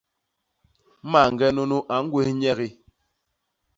Mañge nunu a ñgwés nyegi.